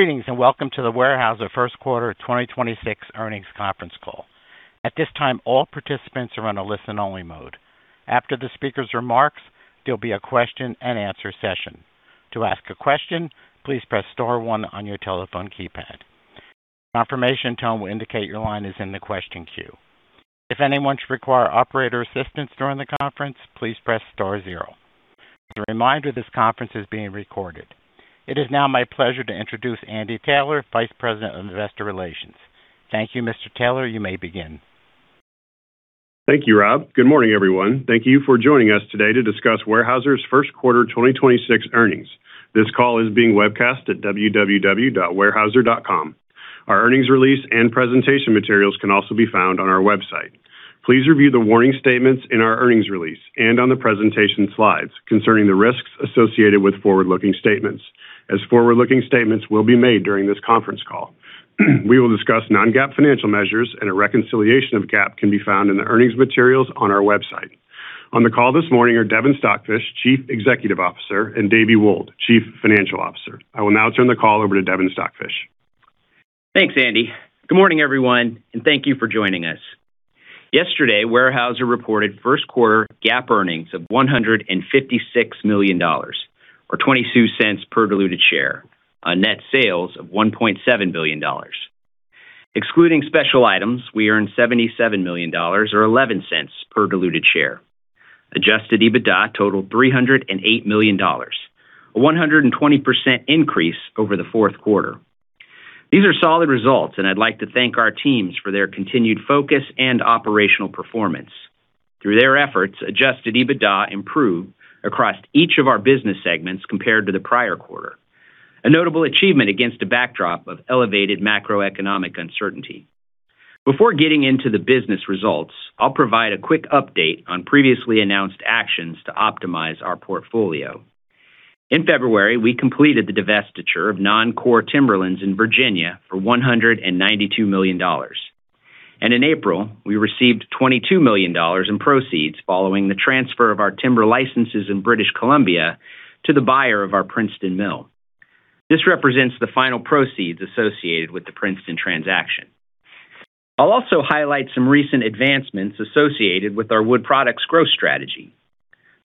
Greetings, and welcome to the Weyerhaeuser First Quarter 2026 Earnings Conference Call. At this time, all participants are on a listen-only mode. After the speaker's remarks, there'll be a question-and-answer session. To ask a question, please press star one on your telephone keypad. Confirmation tone will indicate your line is in the question queue. If anyone should require operator assistance during the conference, please press star zero. As a reminder, this conference is being recorded. It is now my pleasure to introduce Andy Taylor, Vice President of Investor Relations. Thank you, Mr. Taylor. You may begin. Thank you, Rob. Good morning, everyone. Thank you for joining us today to discuss Weyerhaeuser's first quarter 2026 earnings. This call is being webcast at www.weyerhaeuser.com. Our earnings release and presentation materials can also be found on our website. Please review the warning statements in our earnings release and on the presentation slides concerning the risks associated with forward-looking statements, as forward-looking statements will be made during this conference call. We will discuss non-GAAP financial measures and a reconciliation of GAAP can be found in the earnings materials on our website. On the call this morning are Devin Stockfish, Chief Executive Officer, and Davie Wold, Chief Financial Officer. I will now turn the call over to Devin Stockfish. Thanks, Andy. Good morning, everyone. Thank you for joining us. Yesterday, Weyerhaeuser reported first quarter GAAP earnings of $156 million, or $0.22 per diluted share, on net sales of $1.7 billion. Excluding special items, we earned $77 million or $0.11 per diluted share. Adjusted EBITDA totaled $308 million, a 120% increase over the fourth quarter. These are solid results. I'd like to thank our teams for their continued focus and operational performance. Through their efforts, adjusted EBITDA improved across each of our business segments compared to the prior quarter, a notable achievement against a backdrop of elevated macroeconomic uncertainty. Before getting into the business results, I'll provide a quick update on previously announced actions to optimize our portfolio. In February, we completed the divestiture of non-core timberlands in Virginia for $192 million. In April, we received $22 million in proceeds following the transfer of our timber licenses in British Columbia to the buyer of our Princeton mill. This represents the final proceeds associated with the Princeton transaction. I'll also highlight some recent advancements associated with our Wood Products growth strategy.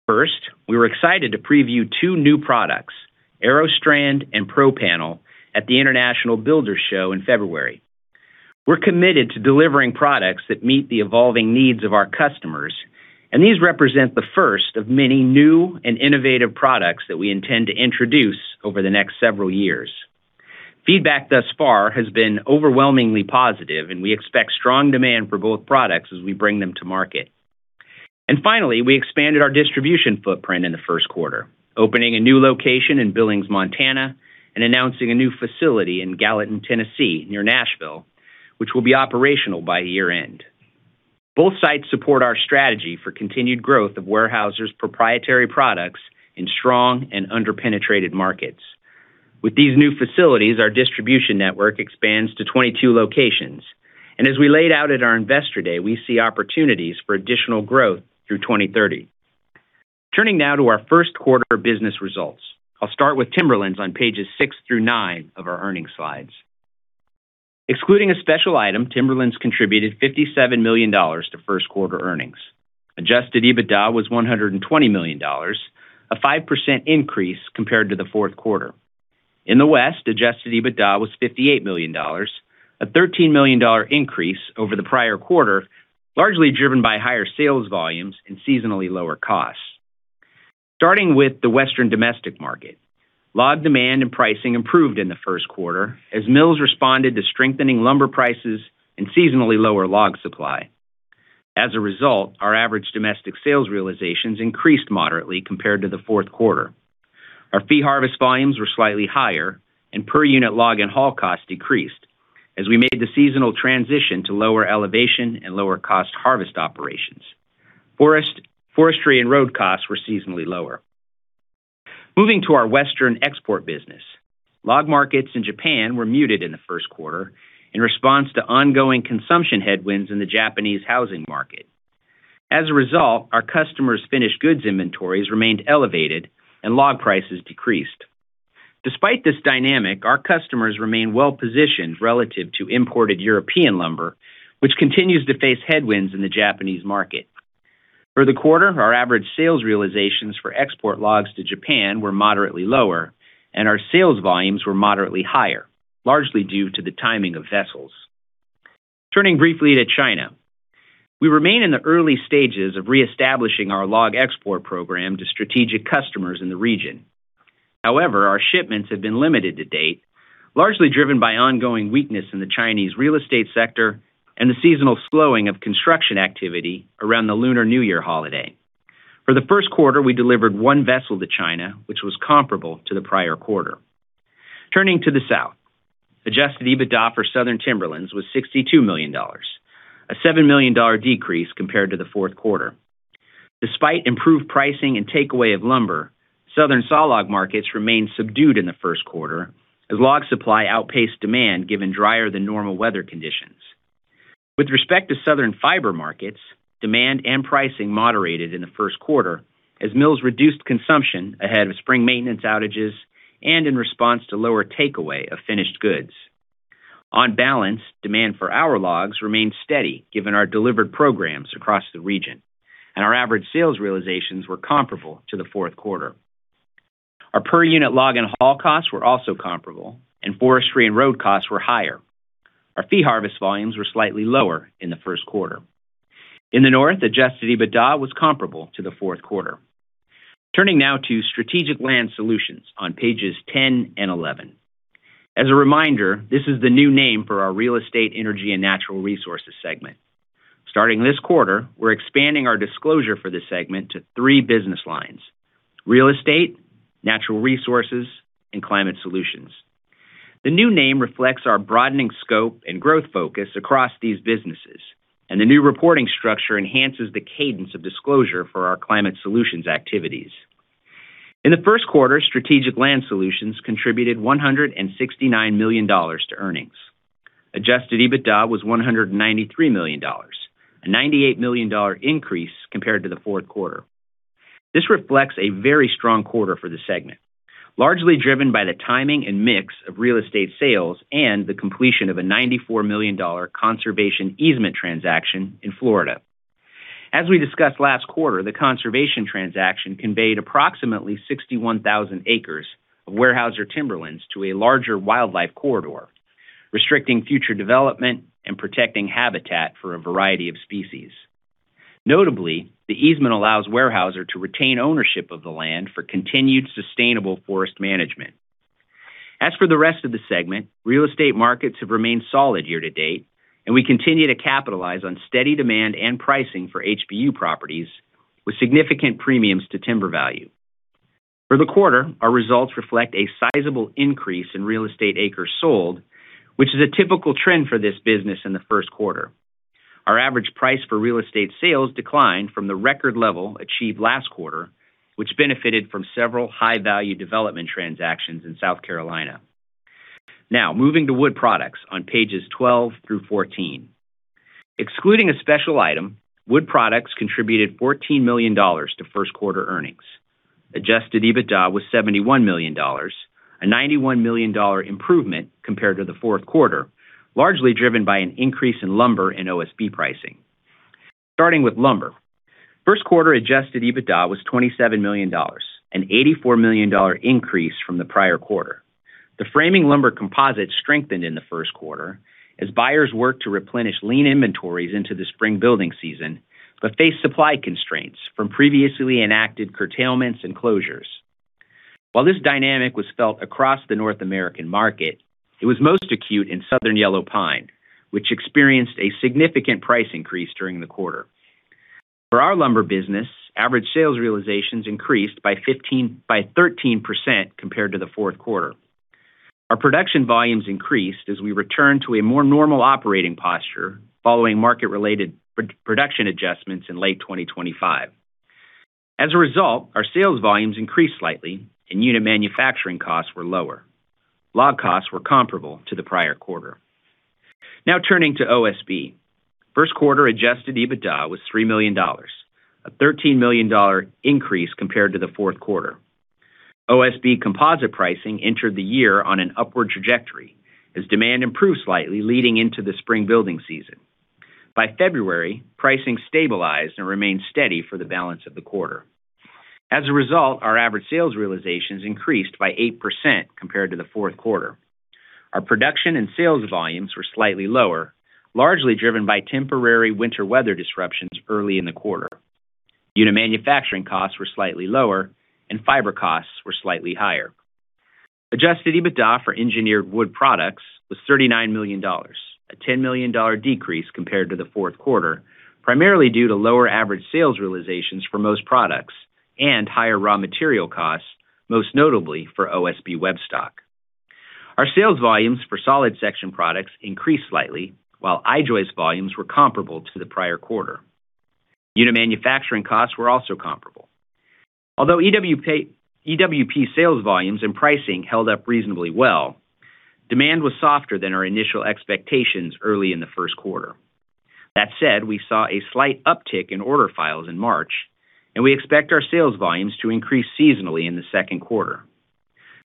First, we were excited to preview two new products, AeroStrand and ProPanel, at the International Builders' Show in February. We're committed to delivering products that meet the evolving needs of our customers, and these represent the first of many new and innovative products that we intend to introduce over the next several years. Feedback thus far has been overwhelmingly positive, and we expect strong demand for both products as we bring them to market. Finally, we expanded our distribution footprint in the first quarter, opening a new location in Billings, Montana, and announcing a new facility in Gallatin, Tennessee, near Nashville, which will be operational by year-end. Both sites support our strategy for continued growth of Weyerhaeuser's proprietary products in strong and under-penetrated markets. With these new facilities, our distribution network expands to 22 locations, and as we laid out at our Investor Day, we see opportunities for additional growth through 2030. Turning now to our first quarter business results. I'll start with Timberlands on pages six through nine of our earnings slides. Excluding a special item, Timberlands contributed $57 million to first quarter earnings. Adjusted EBITDA was $120 million, a 5% increase compared to the fourth quarter. In the West, adjusted EBITDA was $58 million, a $13 million increase over the prior quarter, largely driven by higher sales volumes and seasonally lower costs. Starting with the Western domestic market, log demand and pricing improved in the first quarter as mills responded to strengthening lumber prices and seasonally lower log supply. As a result, our average domestic sales realizations increased moderately compared to the fourth quarter. Our fee harvest volumes were slightly higher and per-unit log and haul costs decreased as we made the seasonal transition to lower elevation and lower cost harvest operations. Forest-forestry and road costs were seasonally lower. Moving to our Western export business, log markets in Japan were muted in the first quarter in response to ongoing consumption headwinds in the Japanese housing market. As a result, our customers' finished goods inventories remained elevated and log prices decreased. Despite this dynamic, our customers remain well-positioned relative to imported European lumber, which continues to face headwinds in the Japanese market. For the quarter, our average sales realizations for export logs to Japan were moderately lower, and our sales volumes were moderately higher, largely due to the timing of vessels. Turning briefly to China. We remain in the early stages of reestablishing our log export program to strategic customers in the region. However, our shipments have been limited to date, largely driven by ongoing weakness in the Chinese real estate sector and the seasonal slowing of construction activity around the Lunar New Year holiday. For the first quarter, we delivered one vessel to China, which was comparable to the prior quarter. Turning to the South. Adjusted EBITDA for Southern Timberlands was $62 million, a $7 million decrease compared to the fourth quarter. Despite improved pricing and takeaway of lumber, Southern saw log markets remained subdued in the first quarter as log supply outpaced demand given drier than normal weather conditions. With respect to southern fiber markets, demand and pricing moderated in the first quarter as mills reduced consumption ahead of spring maintenance outages and in response to lower takeaway of finished goods. On balance, demand for our logs remained steady given our delivered programs across the region, and our average sales realizations were comparable to the fourth quarter. Our per-unit log and haul costs were also comparable, and forestry and road costs were higher. Our fee harvest volumes were slightly lower in the first quarter. In the North, adjusted EBITDA was comparable to the fourth quarter. Turning now to Strategic Land Solutions on pages 10 and 11. As a reminder, this is the new name for our Real Estate, Energy & Natural Resources segment. Starting this quarter, we're expanding our disclosure for this segment to three business lines: Real Estate, Natural Resources, and Climate Solutions. The new name reflects our broadening scope and growth focus across these businesses, and the new reporting structure enhances the cadence of disclosure for our climate solutions activities. In the first quarter, Strategic Land Solutions contributed $169 million to earnings. Adjusted EBITDA was $193 million, a $98 million increase compared to the fourth quarter. This reflects a very strong quarter for the segment, largely driven by the timing and mix of real estate sales and the completion of a $94 million conservation easement transaction in Florida. As we discussed last quarter, the conservation transaction conveyed approximately 61,000 acres of Weyerhaeuser Timberlands to a larger wildlife corridor, restricting future development and protecting habitat for a variety of species. Notably, the easement allows Weyerhaeuser to retain ownership of the land for continued sustainable forest management. As for the rest of the segment, Real Estate markets have remained solid year-to-date, and we continue to capitalize on steady demand and pricing for HBU properties with significant premiums to timber value. For the quarter, our results reflect a sizable increase in Real Estate acres sold, which is a typical trend for this business in the first quarter. Our average price for Real Estate sales declined from the record level achieved last quarter, which benefited from several high-value development transactions in South Carolina. Now moving to Wood Products on pages 12 through 14. Excluding a special item, Wood Products contributed $14 million to first quarter earnings. Adjusted EBITDA was $71 million, a $91 million improvement compared to the fourth quarter, largely driven by an increase in lumber and OSB pricing. Starting with lumber. First quarter adjusted EBITDA was $27 million, an $84 million increase from the prior quarter. The framing lumber composite strengthened in the first quarter as buyers worked to replenish lean inventories into the spring building season, but faced supply constraints from previously enacted curtailments and closures. While this dynamic was felt across the North American market, it was most acute in Southern yellow pine, which experienced a significant price increase during the quarter. For our lumber business, average sales realizations increased by 13% compared to the fourth quarter. Our production volumes increased as we return to a more normal operating posture following market-related production adjustments in late 2025. As a result, our sales volumes increased slightly and unit manufacturing costs were lower. Log costs were comparable to the prior quarter. Now turning to OSB. First quarter adjusted EBITDA was $3 million, a $13 million increase compared to the fourth quarter. OSB composite pricing entered the year on an upward trajectory as demand improved slightly leading into the spring building season. By February, pricing stabilized and remained steady for the balance of the quarter. As a result, our average sales realizations increased by 8% compared to the fourth quarter. Our production and sales volumes were slightly lower, largely driven by temporary winter weather disruptions early in the quarter. Unit manufacturing costs were slightly lower and fiber costs were slightly higher. Adjusted EBITDA for Engineered Wood Products was $39 million, a $10 million decrease compared to the fourth quarter, primarily due to lower average sales realizations for most products and higher raw material costs, most notably for OSB web stock. Our sales volumes for solid section products increased slightly, while I-joist volumes were comparable to the prior quarter. Unit manufacturing costs were also comparable. Although EWP sales volumes and pricing held up reasonably well, demand was softer than our initial expectations early in the first quarter. That said, we saw a slight uptick in order files in March, and we expect our sales volumes to increase seasonally in the second quarter.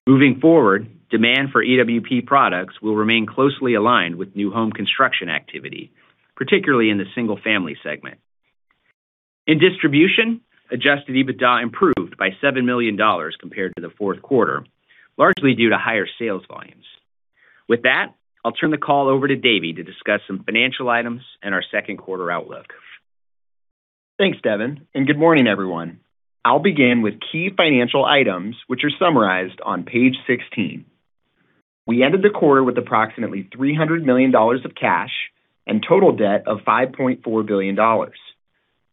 Moving forward, demand for EWP products will remain closely aligned with new home construction activity, particularly in the single-family segment. In distribution, adjusted EBITDA improved by $7 million compared to the fourth quarter, largely due to higher sales volumes. With that, I'll turn the call over to Davie to discuss some financial items and our second quarter outlook. Thanks, Devin. Good morning, everyone. I'll begin with key financial items, which are summarized on page 16. We ended the quarter with approximately $300 million of cash and total debt of $5.4 billion.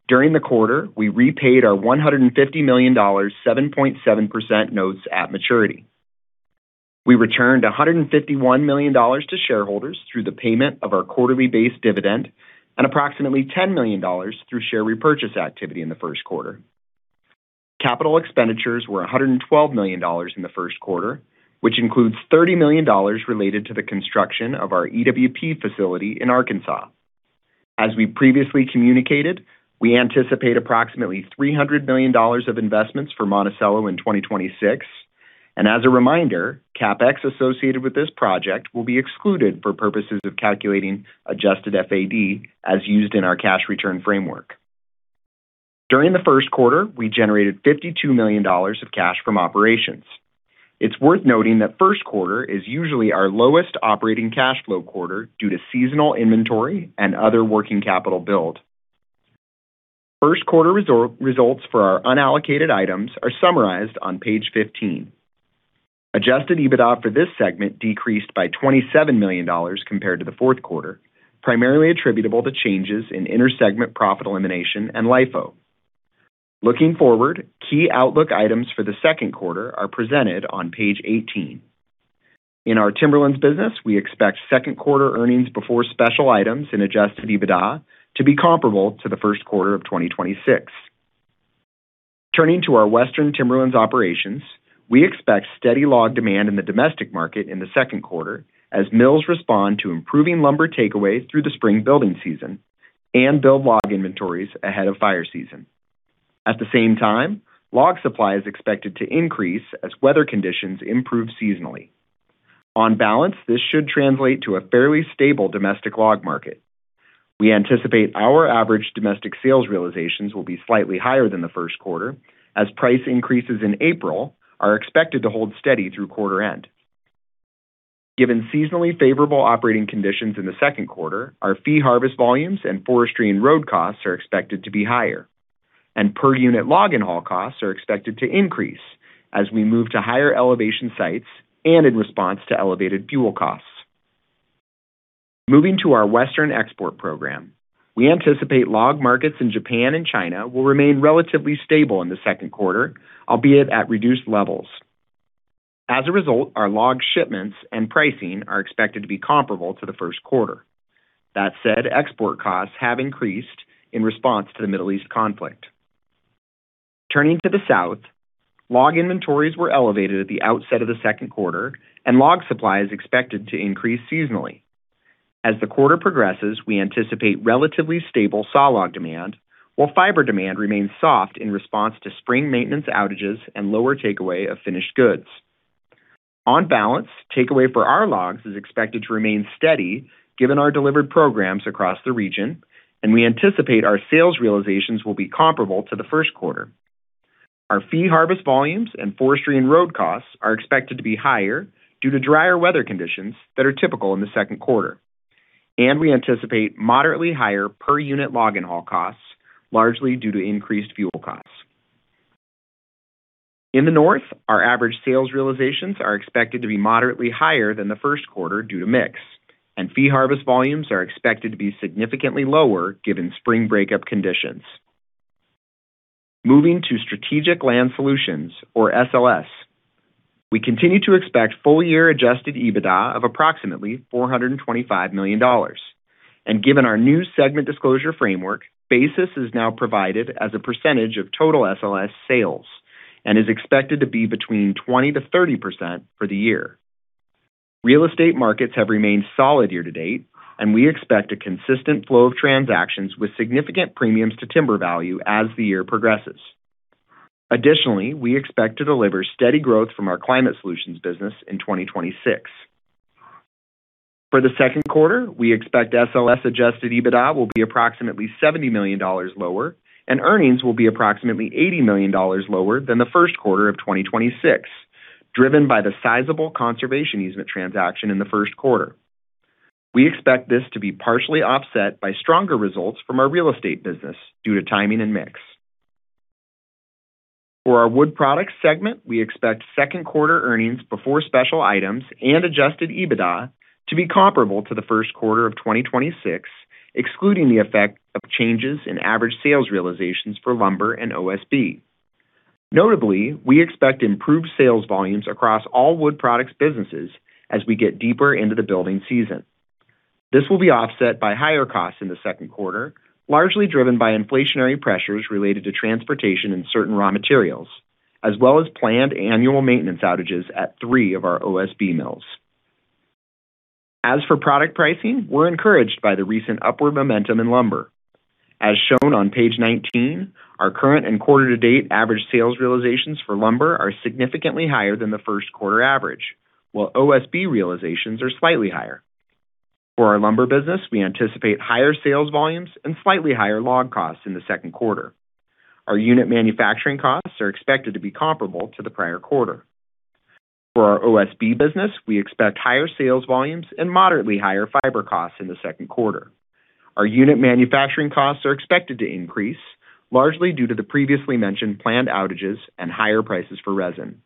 During the quarter, we repaid our $150 million, 7.7% notes at maturity. We returned $151 million to shareholders through the payment of our quarterly base dividend and approximately $10 million through share repurchase activity in the first quarter. Capital expenditures were $112 million in the first quarter, which includes $30 million related to the construction of our EWP facility in Arkansas. As we previously communicated, we anticipate approximately $300 million of investments for Monticello in 2026. As a reminder, CapEx associated with this project will be excluded for purposes of calculating adjusted FAD as used in our cash return framework. During the first quarter, we generated $52 million of cash from operations. It's worth noting that first quarter is usually our lowest operating cash flow quarter due to seasonal inventory and other working capital build. First quarter results for our unallocated items are summarized on page 15. Adjusted EBITDA for this segment decreased by $27 million compared to the fourth quarter, primarily attributable to changes in inter-segment profit elimination and LIFO. Looking forward, key outlook items for the second quarter are presented on page 18. In our Timberlands business, we expect second quarter earnings before special items and adjusted EBITDA to be comparable to the first quarter of 2026. Turning to our Western Timberlands operations, we expect steady log demand in the domestic market in the second quarter as mills respond to improving lumber takeaway through the spring building season and build log inventories ahead of fire season. At the same time, log supply is expected to increase as weather conditions improve seasonally. On balance, this should translate to a fairly stable domestic log market. We anticipate our average domestic sales realizations will be slightly higher than the first quarter, as price increases in April are expected to hold steady through quarter end. Given seasonally favorable operating conditions in the second quarter, our fee harvest volumes and forestry and road costs are expected to be higher, and per-unit log and haul costs are expected to increase as we move to higher elevation sites and in response to elevated fuel costs. Moving to our Western Export Program, we anticipate log markets in Japan and China will remain relatively stable in the second quarter, albeit at reduced levels. As a result, our log shipments and pricing are expected to be comparable to the first quarter. That said, export costs have increased in response to the Middle East conflict. Turning to the South, log inventories were elevated at the outset of the second quarter, and log supply is expected to increase seasonally. As the quarter progresses, we anticipate relatively stable sawlog demand, while fiber demand remains soft in response to spring maintenance outages and lower takeaway of finished goods. On balance, takeaway for our logs is expected to remain steady given our delivered programs across the region, and we anticipate our sales realizations will be comparable to the first quarter. Our fee harvest volumes and forestry and road costs are expected to be higher due to drier weather conditions that are typical in the second quarter, and we anticipate moderately higher per-unit log and haul costs, largely due to increased fuel costs. In the North, our average sales realizations are expected to be moderately higher than the first quarter due to mix, and fee harvest volumes are expected to be significantly lower given spring breakup conditions. Moving to Strategic Land Solutions, or SLS, we continue to expect full-year adjusted EBITDA of approximately $425 million. Given our new segment disclosure framework, basis is now provided as a percentage of total SLS sales and is expected to be between 20%-30% for the year. Real estate markets have remained solid year-to-date, and we expect a consistent flow of transactions with significant premiums to timber value as the year progresses. We expect to deliver steady growth from our Climate Solutions business in 2026. For the second quarter, we expect SLS adjusted EBITDA will be approximately $70 million lower, and earnings will be approximately $80 million lower than the first quarter of 2026, driven by the sizable conservation easement transaction in the first quarter. We expect this to be partially offset by stronger results from our real estate business due to timing and mix. For our Wood Products segment, we expect second quarter earnings before special items and adjusted EBITDA to be comparable to the first quarter of 2026, excluding the effect of changes in average sales realizations for lumber and OSB. Notably, we expect improved sales volumes across all Wood Products businesses as we get deeper into the building season. This will be offset by higher costs in the second quarter, largely driven by inflationary pressures related to transportation and certain raw materials, as well as planned annual maintenance outages at three of our OSB mills. As for product pricing, we're encouraged by the recent upward momentum in lumber. As shown on page 19, our current and quarter-to-date average sales realizations for lumber are significantly higher than the first quarter average, while OSB realizations are slightly higher. For our lumber business, we anticipate higher sales volumes and slightly higher log costs in the second quarter. Our unit manufacturing costs are expected to be comparable to the prior quarter. For our OSB business, we expect higher sales volumes and moderately higher fiber costs in the second quarter. Our unit manufacturing costs are expected to increase, largely due to the previously mentioned planned outages and higher prices for resin.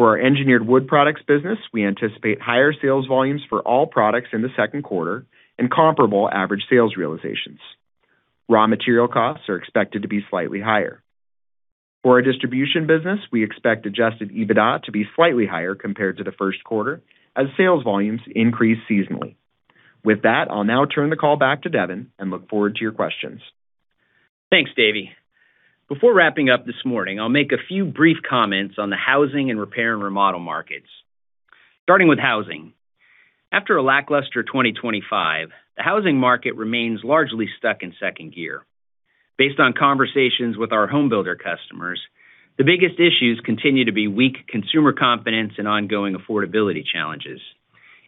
For our Engineered Wood Products business, we anticipate higher sales volumes for all products in the second quarter and comparable average sales realizations. Raw material costs are expected to be slightly higher. For our Distribution business, we expect adjusted EBITDA to be slightly higher compared to the first quarter as sales volumes increase seasonally. With that, I'll now turn the call back to Devin and look forward to your questions. Thanks, Davie. Before wrapping up this morning, I'll make a few brief comments on the housing and repair and remodel markets. Starting with housing. After a lackluster 2025, the housing market remains largely stuck in second gear. Based on conversations with our home builder customers, the biggest issues continue to be weak consumer confidence and ongoing affordability challenges.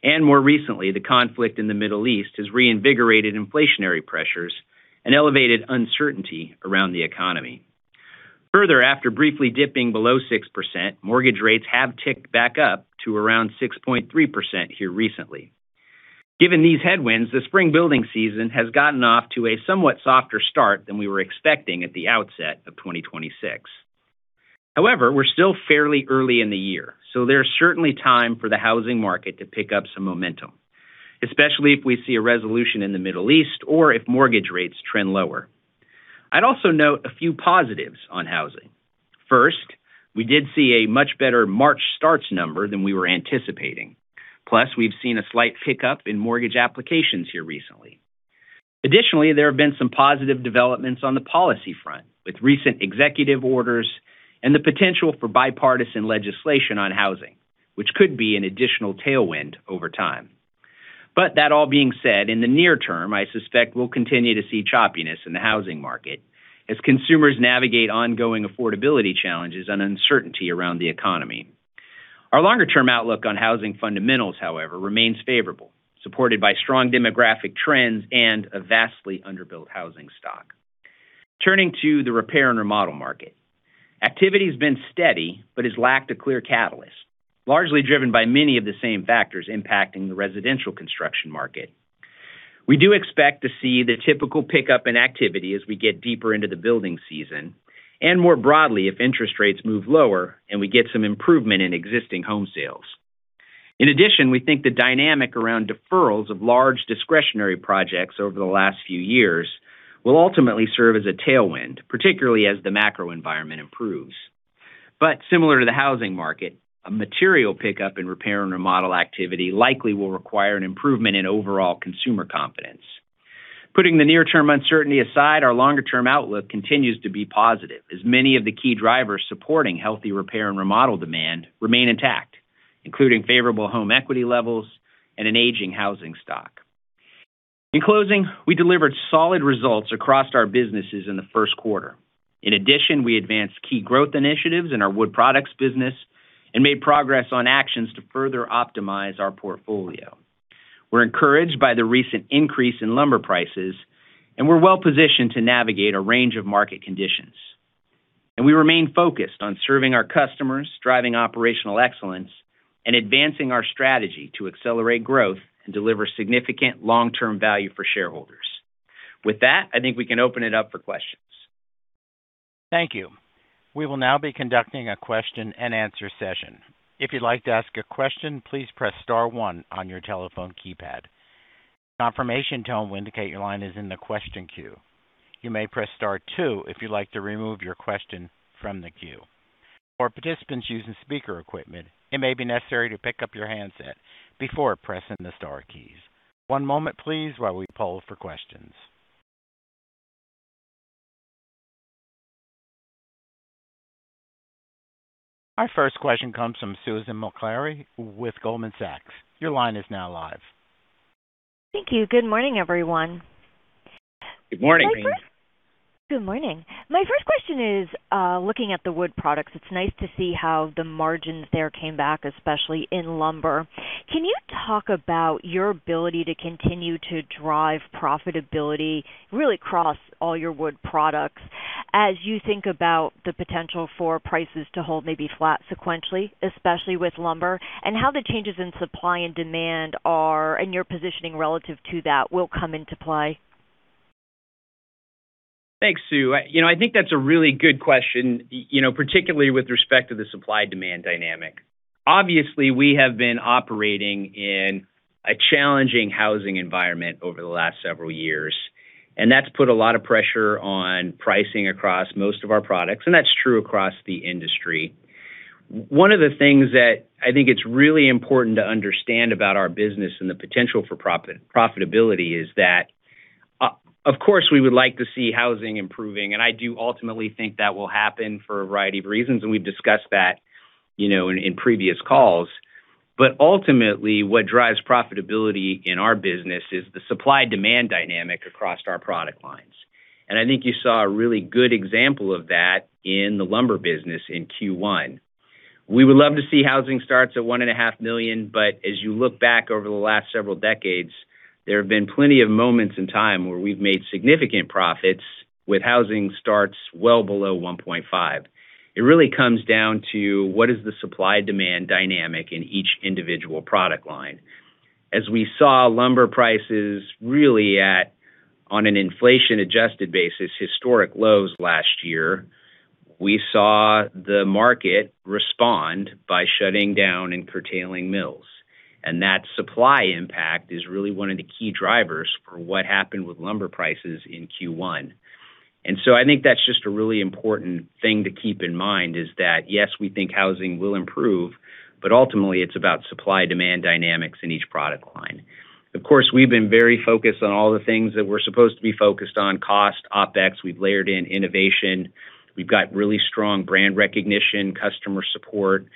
More recently, the conflict in the Middle East has reinvigorated inflationary pressures and elevated uncertainty around the economy. Further, after briefly dipping below 6%, mortgage rates have ticked back up to around 6.3% here recently. Given these headwinds, the spring building season has gotten off to a somewhat softer start than we were expecting at the outset of 2026. However, we're still fairly early in the year, so there's certainly time for the housing market to pick up some momentum, especially if we see a resolution in the Middle East or if mortgage rates trend lower. I'd also note a few positives on housing. First, we did see a much better March starts number than we were anticipating. Plus, we've seen a slight pickup in mortgage applications here recently. Additionally, there have been some positive developments on the policy front, with recent executive orders and the potential for bipartisan legislation on housing, which could be an additional tailwind over time. That all being said, in the near term, I suspect we'll continue to see choppiness in the housing market as consumers navigate ongoing affordability challenges and uncertainty around the economy. Our longer-term outlook on housing fundamentals, however, remains favorable, supported by strong demographic trends and a vastly underbuilt housing stock. Turning to the repair and remodel market. Activity has been steady but has lacked a clear catalyst, largely driven by many of the same factors impacting the residential construction market. We do expect to see the typical pickup in activity as we get deeper into the building season, and more broadly, if interest rates move lower and we get some improvement in existing home sales. In addition, we think the dynamic around deferrals of large discretionary projects over the last few years will ultimately serve as a tailwind, particularly as the macro environment improves. Similar to the housing market, a material pickup in repair and remodel activity likely will require an improvement in overall consumer confidence. Putting the near-term uncertainty aside, our longer-term outlook continues to be positive, as many of the key drivers supporting healthy repair and remodel demand remain intact, including favorable home equity levels and an aging housing stock. In closing, we delivered solid results across our businesses in the first quarter. In addition, we advanced key growth initiatives in our Wood Products business and made progress on actions to further optimize our portfolio. We're encouraged by the recent increase in lumber prices, and we're well-positioned to navigate a range of market conditions. We remain focused on serving our customers, driving operational excellence, and advancing our strategy to accelerate growth and deliver significant long-term value for shareholders. With that, I think we can open it up for questions. Thank you. We will now be conducting a question-and-answer session. If you'd like to ask a question, please press star one on your telephone keypad. A confirmation tone will indicate your line is in the question queue. You may press star two if you'd like to remove your question from the queue. For participants using speaker equipment, it may be necessary to pick up your handset before pressing the star keys. One moment, please, while we poll for questions. Our first question comes from Susan Maklari with Goldman Sachs. Your line is now live. Thank you. Good morning, everyone. Good morning. Good morning. My first question is, looking at the Wood Products, it's nice to see how the margins there came back, especially in lumber. Can you talk about your ability to continue to drive profitability really across all your Wood Products as you think about the potential for prices to hold maybe flat sequentially, especially with lumber, and how the changes in supply and demand are, and your positioning relative to that will come into play? Thanks, Sue. You know, I think that's a really good question, you know, particularly with respect to the supply-demand dynamic. Obviously, we have been operating in a challenging housing environment over the last several years, and that's put a lot of pressure on pricing across most of our products, and that's true across the industry. One of the things that I think it's really important to understand about our business and the potential for profitability is that, of course, we would like to see housing improving, and I do ultimately think that will happen for a variety of reasons, and we've discussed that, you know, in previous calls. Ultimately, what drives profitability in our business is the supply-demand dynamic across our product lines. I think you saw a really good example of that in the lumber business in Q1. We would love to see housing starts at $1.5 million, but as you look back over the last several decades, there have been plenty of moments in time where we've made significant profits with housing starts well below $1.5 million. It really comes down to what is the supply-demand dynamic in each individual product line. As we saw lumber prices really at, on an inflation-adjusted basis, historic lows last year, we saw the market respond by shutting down and curtailing mills. That supply impact is really one of the key drivers for what happened with lumber prices in Q1. So I think that's just a really important thing to keep in mind is that, yes, we think housing will improve, but ultimately it's about supply-demand dynamics in each product line. Of course, we've been very focused on all the things that we're supposed to be focused on: cost, OpEx. We've layered in innovation. We've got really strong brand recognition, customer support.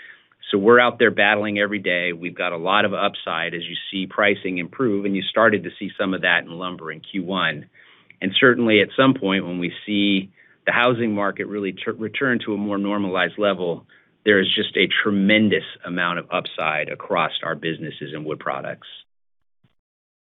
We're out there battling every day. We've got a lot of upside as you see pricing improve, and you started to see some of that in lumber in Q1. Certainly at some point when we see the housing market really return to a more normalized level, there is just a tremendous amount of upside across our businesses and Wood Products.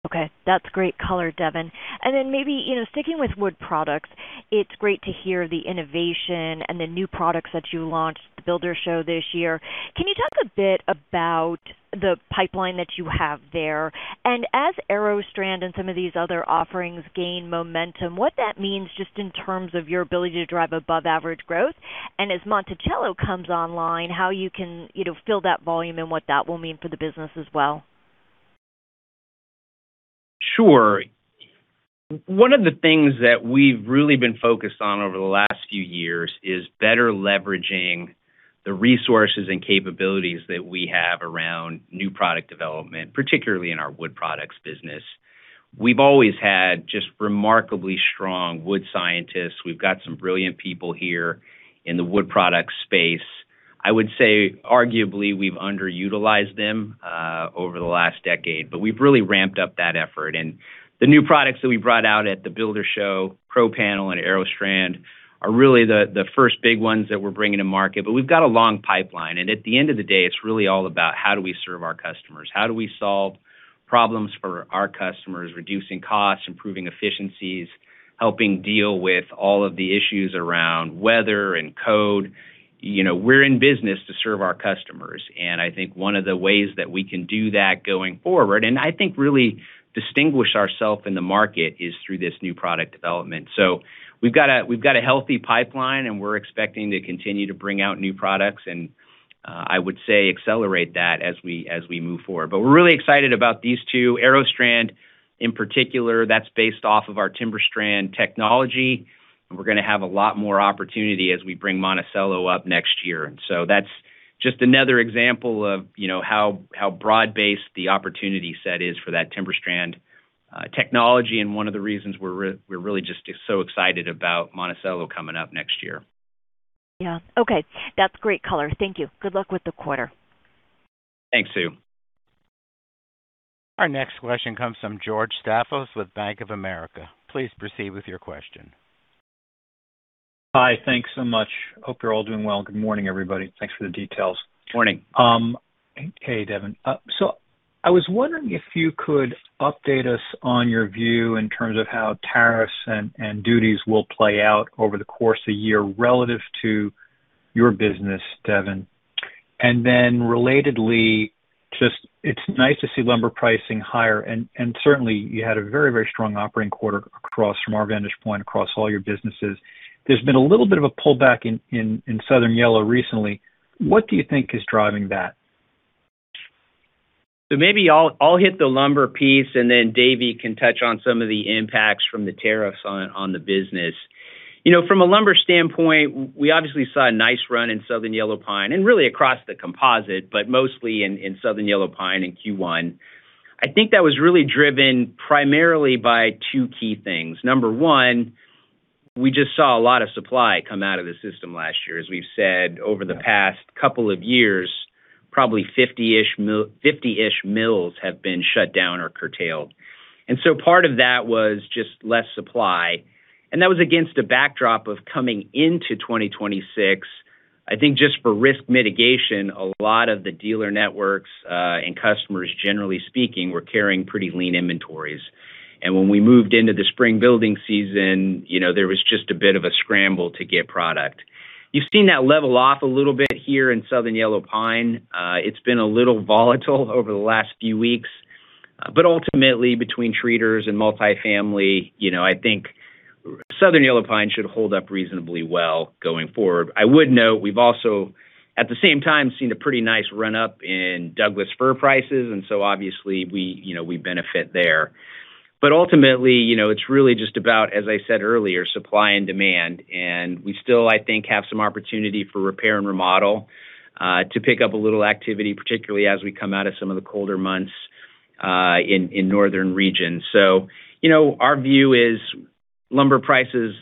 Okay. That's great color, Devin. Then maybe, you know, sticking with Wood Products, it's great to hear the innovation and the new products that you launched at the Builders' Show this year. Can you talk a bit about the pipeline that you have there? As AeroStrand and some of these other offerings gain momentum, what that means just in terms of your ability to drive above average growth? As Monticello comes online, how you can, you know, fill that volume and what that will mean for the business as well. Sure. One of the things that we've really been focused on over the last few years is better leveraging the resources and capabilities that we have around new product development, particularly in our Wood Products business. We've always had just remarkably strong wood scientists. We've got some brilliant people here in the Wood Products space. I would say arguably, we've underutilized them over the last decade, but we've really ramped up that effort. The new products that we brought out at the Builder Show, ProPanel and AeroStrand, are really the first big ones that we're bringing to market. We've got a long pipeline, and at the end of the day, it's really all about how do we serve our customers? How do we solve problems for our customers, reducing costs, improving efficiencies, helping deal with all of the issues around weather and code? You know, we're in business to serve our customers, and I think one of the ways that we can do that going forward, and I think really distinguish ourself in the market, is through this new product development. We've got a healthy pipeline and we're expecting to continue to bring out new products and I would say accelerate that as we move forward. We're really excited about these two. AeroStrand in particular, that's based off of our TimberStrand technology, and we're gonna have a lot more opportunity as we bring Monticello up next year. That's just another example of, you know, how broad-based the opportunity set is for that TimberStrand technology, and one of the reasons we're really just so excited about Monticello coming up next year. Yeah. Okay. That's great color. Thank you. Good luck with the quarter. Thanks, Sue. Our next question comes from George Staphos with Bank of America. Please proceed with your question. Hi. Thanks so much. Hope you're all doing well. Good morning, everybody. Thanks for the details. Morning. Hey, Devin. I was wondering if you could update us on your view in terms of how tariffs and duties will play out over the course of the year relative to your business, Devin. Relatedly, just it's nice to see lumber pricing higher, and certainly you had a very strong operating quarter across, from our vantage point, across all your businesses. There's been a little bit of a pullback in southern yellow recently. What do you think is driving that? Maybe I'll hit the lumber piece, and then Davie can touch on some of the impacts from the tariffs on the business. You know, from a lumber standpoint, we obviously saw a nice run in Southern yellow pine and really across the composite, but mostly in Southern yellow pine in Q1. I think that was really driven primarily by two key things. Number one, we just saw a lot of supply come out of the system last year. As we've said over the past couple of years, probably 50-ish mills have been shut down or curtailed. Part of that was just less supply, and that was against a backdrop of coming into 2026. I think just for risk mitigation, a lot of the dealer networks and customers, generally speaking, were carrying pretty lean inventories. When we moved into the spring building season, you know, there was just a bit of a scramble to get product. You've seen that level off a little bit here in Southern yellow pine. It's been a little volatile over the last few weeks. Ultimately, between treaters and multifamily, you know, I think Southern yellow pine should hold up reasonably well going forward. I would note we've also, at the same time, seen a pretty nice run up in Douglas fir prices, obviously we, you know, we benefit there. Ultimately, you know, it's really just about, as I said earlier, supply and demand, and we still, I think, have some opportunity for repair and remodel to pick up a little activity, particularly as we come out of some of the colder months in northern regions. You know, our view is lumber prices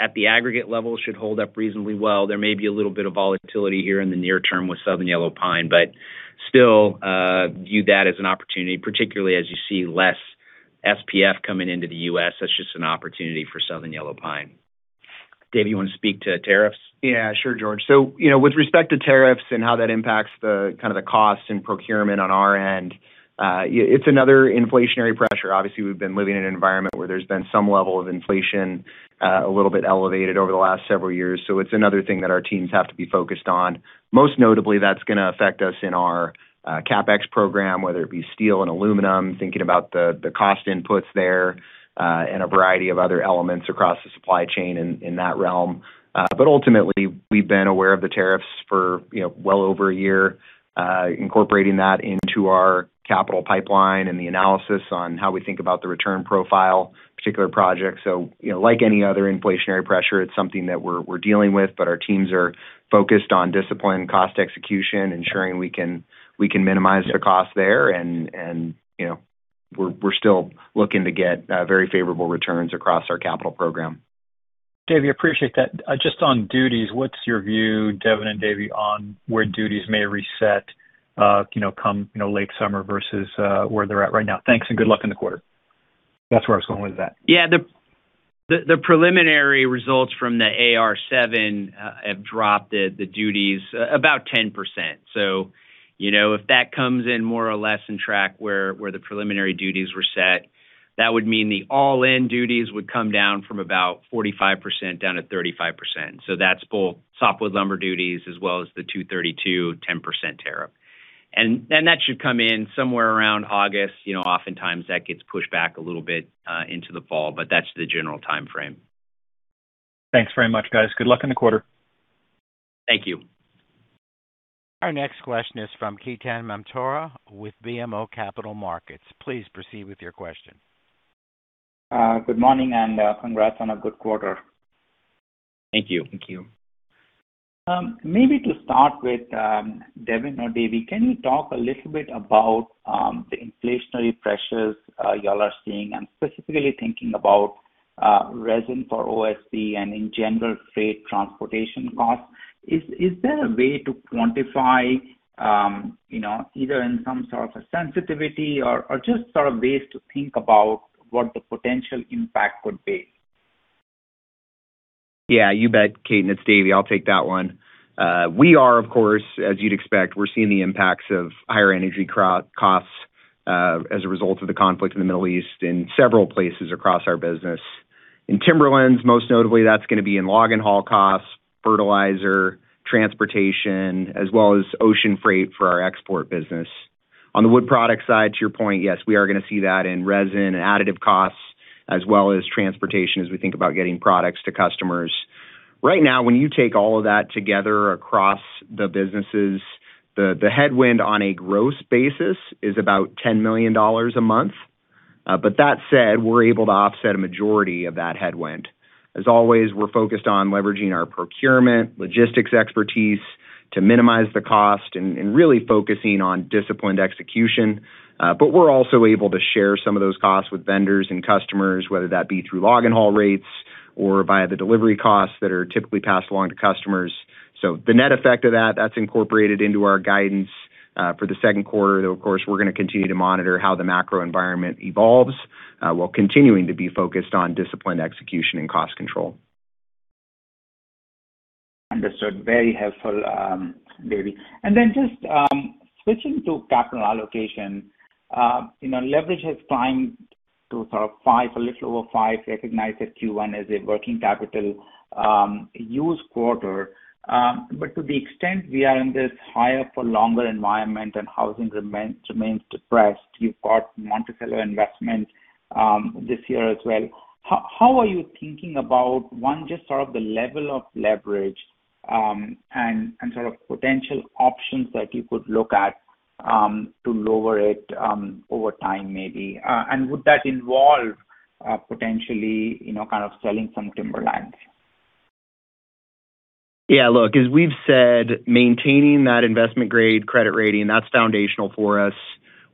at the aggregate level should hold up reasonably well. There may be a little bit of volatility here in the near term with Southern yellow pine, but still, view that as an opportunity, particularly as you see less SPF coming into the U.S. That's just an opportunity for Southern yellow pine. Davie, you want to speak to tariffs? Yeah, sure, George. You know, with respect to tariffs and how that impacts the, kind of the cost and procurement on our end, it's another inflationary pressure. Obviously, we've been living in an environment where there's been some level of inflation, a little bit elevated over the last several years. It's another thing that our teams have to be focused on. Most notably, that's gonna affect us in our CapEx program, whether it be steel and aluminum, thinking about the cost inputs there, and a variety of other elements across the supply chain in that realm. Ultimately, we've been aware of the tariffs for, you know, well over a year, incorporating that into our capital pipeline and the analysis on how we think about the return profile, particular projects. You know, like any other inflationary pressure, it's something that we're dealing with, but our teams are focused on disciplined cost execution, ensuring we can minimize the cost there and, you know, we're still looking to get very favorable returns across our capital program. Davie, appreciate that. Just on duties, what's your view, Devin and Davie, on where duties may reset, you know, come, you know, late summer versus where they're at right now? Thanks, and good luck in the quarter. That's where I was going with that. Yeah. The preliminary results from the AR7 have dropped the duties about 10%. You know, if that comes in more or less in track where the preliminary duties were set, that would mean the all-in duties would come down from about 45% down to 35%. That's both softwood lumber duties as well as the Section 232 10% tariff. That should come in somewhere around August. You know, oftentimes that gets pushed back a little bit into the fall, but that's the general timeframe. Thanks very much, guys. Good luck in the quarter. Thank you. Our next question is from Ketan Mamtora with BMO Capital Markets. Please proceed with your question. Good morning, and congrats on a good quarter. Thank you. Thank you. Maybe to start with, Devin or Davie, can you talk a little bit about the inflationary pressures you all are seeing, and specifically thinking about resin for OSB and in general freight transportation costs. Is there a way to quantify, you know, either in some sort of a sensitivity or just sort of ways to think about what the potential impact would be? Yeah, you bet, Ketan. It's Davie. I'll take that one. We are, of course, as you'd expect, we're seeing the impacts of higher energy costs as a result of the conflict in the Middle East in several places across our business. In Timberlands, most notably, that's going to be in log and haul costs, fertilizer, transportation, as well as ocean freight for our export business. On the Wood Products side, to your point, yes, we are going to see that in resin and additive costs as well as transportation as we think about getting products to customers. Right now, when you take all of that together across the businesses, the headwind on a gross basis is about $10 million a month. That said, we're able to offset a majority of that headwind. As always, we're focused on leveraging our procurement, logistics expertise to minimize the cost and really focusing on disciplined execution. We're also able to share some of those costs with vendors and customers, whether that be through log and haul rates or via the delivery costs that are typically passed along to customers. The net effect of that's incorporated into our guidance for the second quarter. Of course, we're gonna continue to monitor how the macro environment evolves while continuing to be focused on disciplined execution and cost control. Understood. Very helpful, Davie. Then just switching to capital allocation, you know, leverage has climbed to sort of 5.0x, a little over 5.0x, recognized that Q1 as a working capital use quarter. To the extent we are in this higher for longer environment and housing remains depressed, you've got Monticello investment this year as well. How are you thinking about, one, just sort of the level of leverage, and sort of potential options that you could look at to lower it over time, maybe? Would that involve, potentially, you know, kind of selling some timberlands? Look, as we've said, maintaining that investment-grade credit rating, that's foundational for us.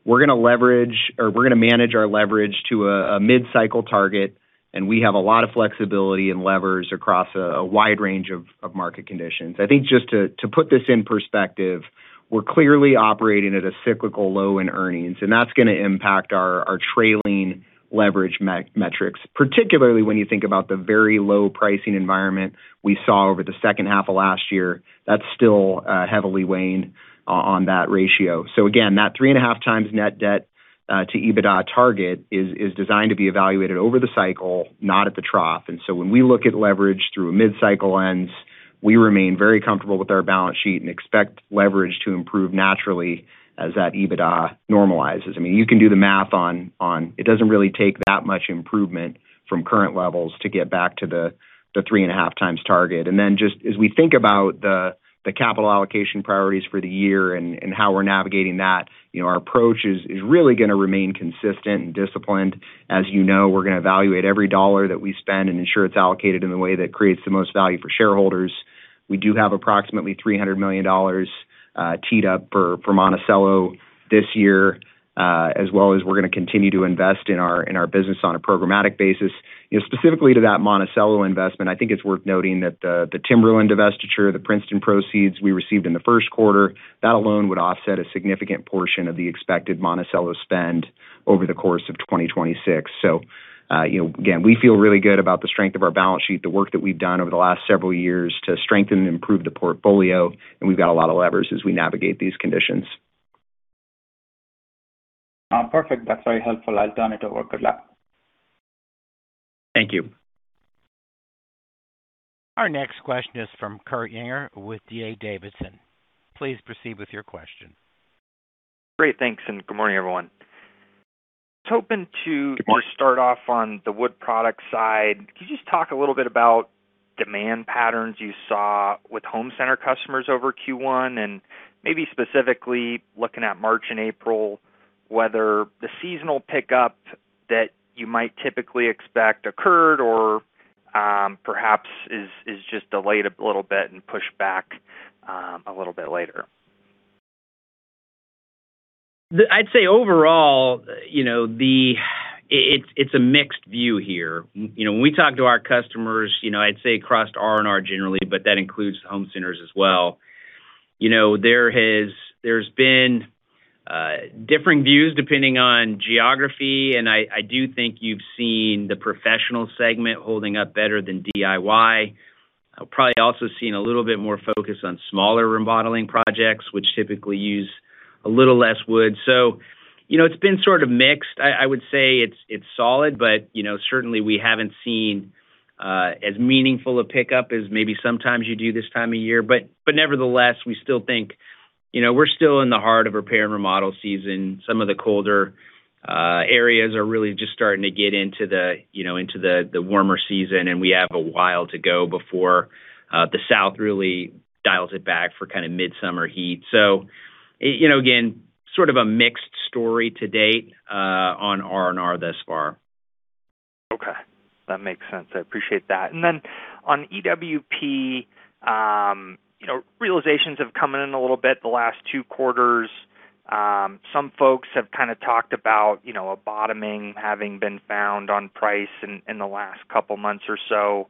We're gonna manage our leverage to a mid-cycle target, and we have a lot of flexibility and levers across a wide range of market conditions. I think just to put this in perspective, we're clearly operating at a cyclical low in earnings, and that's gonna impact our trailing leverage metrics, particularly when you think about the very low pricing environment we saw over the second half of last year. That's still heavily weighing on that ratio. Again, that 3.5x net debt-to-EBITDA target is designed to be evaluated over the cycle, not at the trough. When we look at leverage through a mid-cycle lens, we remain very comfortable with our balance sheet and expect leverage to improve naturally as that EBITDA normalizes. I mean, you can do the math on it doesn't really take that much improvement from current levels to get back to the 3.5x target. Just as we think about the capital allocation priorities for the year and how we're navigating that, you know, our approach is really gonna remain consistent and disciplined. As you know, we're gonna evaluate every dollar that we spend and ensure it's allocated in the way that creates the most value for shareholders. We do have approximately $300 million teed up for Monticello this year, as well as we're gonna continue to invest in our business on a programmatic basis. You know, specifically to that Monticello investment, I think it's worth noting that the timberland divestiture, the Princeton proceeds we received in the first quarter, that alone would offset a significant portion of the expected Monticello spend over the course of 2026. You know, again, we feel really good about the strength of our balance sheet, the work that we've done over the last several years to strengthen and improve the portfolio, and we've got a lot of levers as we navigate these conditions. Perfect. That's very helpful. I'll turn it over. Good luck. Thank you. Our next question is from Kurt Yinger with D.A. Davidson. Please proceed with your question. Great. Thanks, and good morning, everyone. Good morning. Just start off on the Wood Products side. Could you just talk a little bit about demand patterns you saw with home center customers over Q1 and maybe specifically looking at March and April, whether the seasonal pickup that you might typically expect occurred or perhaps is just delayed a little bit and pushed back a little bit later? I'd say overall, you know, the, it's, it's a mixed view here. You know, when we talk to our customers, you know, I'd say across R&R generally, but that includes home centers as well, you know, there's been differing views depending on geography, and I do think you've seen the professional segment holding up better than DIY. Probably also seen a little bit more focus on smaller remodeling projects, which typically use a little less wood. It's been sort of mixed. I would say it's solid, but, you know, certainly we haven't seen as meaningful a pickup as maybe sometimes you do this time of year. Nevertheless, we still think, you know, we're still in the heart of repair and remodel season. Some of the colder areas are really just starting to get into the, you know, into the warmer season, and we have a while to go before the South really dials it back for kind of midsummer heat. You know, again, sort of a mixed story to date on R&R thus far. Okay. That makes sense. I appreciate that. On EWP, you know, realizations have come in a little bit the last two quarters. Some folks have kind of talked about, you know, a bottoming having been found on price in the last couple months or so.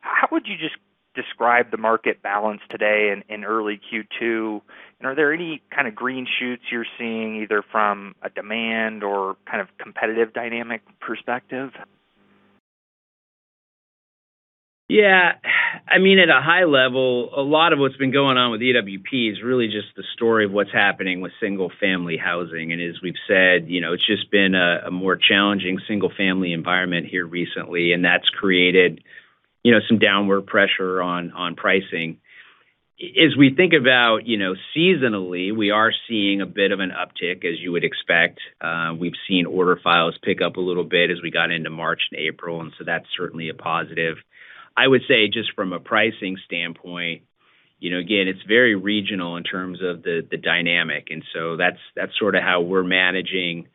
How would you just describe the market balance today in early Q2? Are there any kind of green shoots you're seeing either from a demand or kind of competitive dynamic perspective? Yeah. I mean, at a high level, a lot of what's been going on with EWP is really just the story of what's happening with single-family housing. As we've said, you know, it's just been a more challenging single-family environment here recently, and that's created, you know, some downward pressure on pricing. We've seen order files pick up a little bit as we got into March and April, so that's certainly a positive. I would say just from a pricing standpoint, you know, again, it's very regional in terms of the dynamic, so that's sort of how we're managing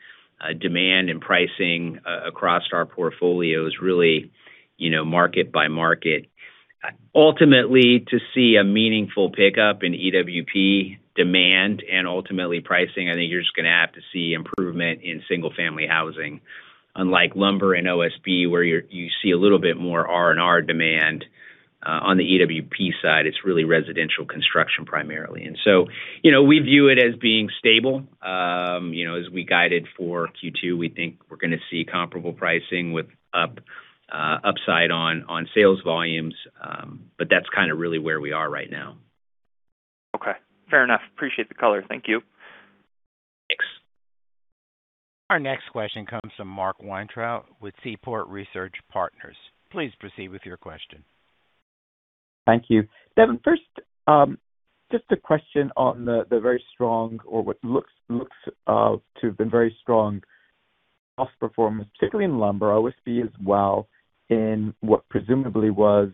demand and pricing across our portfolios really, you know, market-by-market. Ultimately, to see a meaningful pickup in EWP demand and ultimately pricing, I think you're just gonna have to see improvement in single-family housing. Unlike lumber and OSB, where you're, you see a little bit more R&R demand, on the EWP side, it's really residential construction primarily. You know, we view it as being stable. You know, as we guided for Q2, we think we're gonna see comparable pricing with upside on sales volumes. That's kind of really where we are right now. Okay. Fair enough. Appreciate the color. Thank you. Thanks. Our next question comes from Mark Weintraub with Seaport Research Partners. Please proceed with your question. Thank you. Devin, first, just a question on the very strong or what looks to have been very strong cost performance, particularly in lumber, OSB as well, in what presumably was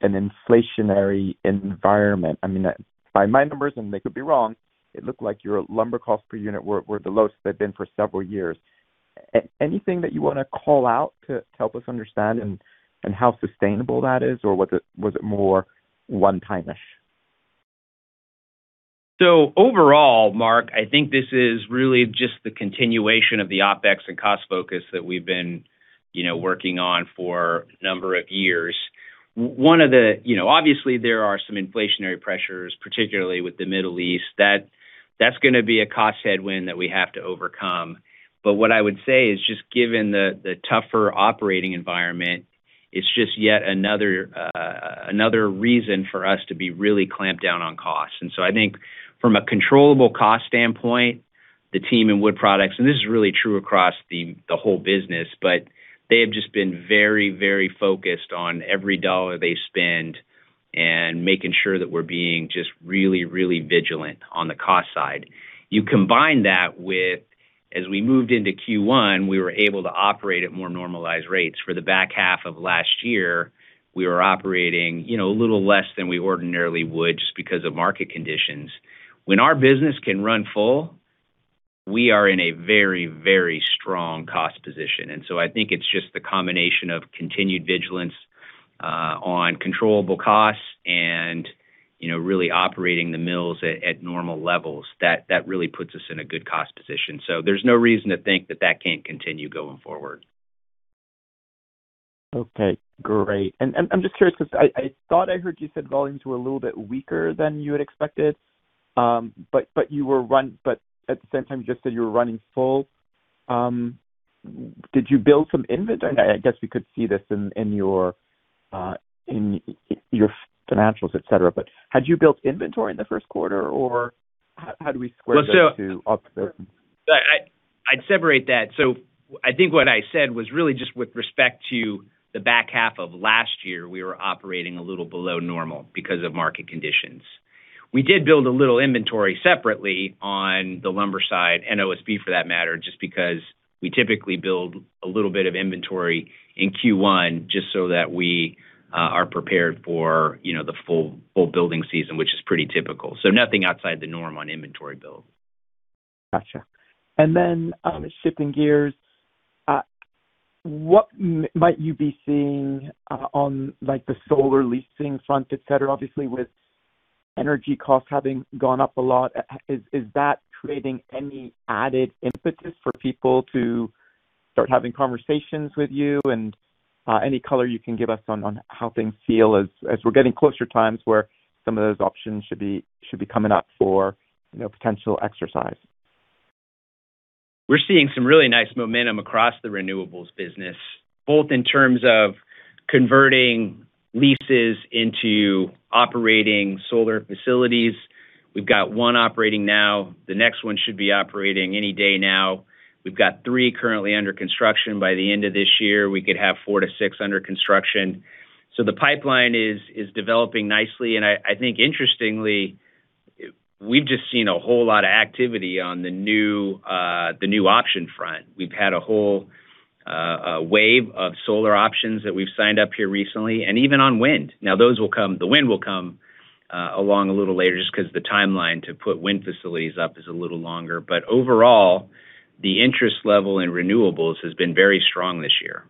an inflationary environment. I mean, by my numbers, and they could be wrong, it looked like your lumber cost per unit were the lowest they've been for several years. Anything that you wanna call out to help us understand and how sustainable that is, or was it more one-time-ish? Overall, Mark, I think this is really just the continuation of the OpEx and cost focus that we've been, you know, working on for a number of years. You know, obviously there are some inflationary pressures, particularly with the Middle East, that's going to be a cost headwind that we have to overcome. What I would say is just given the tougher operating environment, it's just yet another reason for us to be really clamped down on costs. I think from a controllable cost standpoint, the team in Wood Products, and this is really true across the whole business, but they have just been very, very focused on every dollar they spend and making sure that we're being just really, really vigilant on the cost side. You combine that with, as we moved into Q1, we were able to operate at more normalized rates. For the back half of last year, we were operating, you know, a little less than we ordinarily would just because of market conditions. When our business can run full, we are in a very, very strong cost position. I think it's just the combination of continued vigilance on controllable costs and, you know, really operating the mills at normal levels that really puts us in a good cost position. There's no reason to think that that can't continue going forward. Okay. Great. I'm just curious because I thought I heard you said volumes were a little bit weaker than you had expected, at the same time, you just said you were running full. Did you build some inventory? I guess we could see this in your financials, et cetera, but had you built inventory in the first quarter, or how do we square those two opposites? I'd separate that. I think what I said was really just with respect to the back half of last year, we were operating a little below normal because of market conditions. We did build a little inventory separately on the lumber side and OSB for that matter, just because we typically build a little bit of inventory in Q1 just so that we are prepared for, you know, the full building season, which is pretty typical. Nothing outside the norm on inventory build. Gotcha. Shifting gears, what might you be seeing on like the solar leasing front, et cetera, obviously, with energy costs having gone up a lot? Is that creating any added impetus for people to start having conversations with you? Any color you can give us on how things feel as we're getting closer times where some of those options should be coming up for, you know, potential exercise? We're seeing some really nice momentum across the renewables business, both in terms of converting leases into operating solar facilities. We've got one operating now. The next one should be operating any day now. We've got three currently under construction. By the end of this year, we could have four to six under construction. The pipeline is developing nicely. I think interestingly, we've just seen a whole lot of activity on the new, the new option front. We've had a whole wave of solar options that we've signed up here recently, and even on wind. Those will come. The wind will come along a little later just 'cause the timeline to put wind facilities up is a little longer. Overall, the interest level in renewables has been very strong this year.